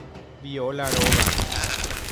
Viola róga.